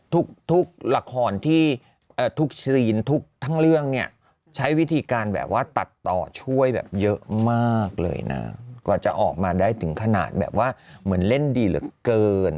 ทุกละครที่ทุกซีนทุกทั้งเรื่องเนี่ยใช้วิธีการแบบว่าตัดต่อช่วยแบบเยอะมากเลยนะกว่าจะออกมาได้ถึงขนาดแบบว่าเหมือนเล่นดีเหลือเกิน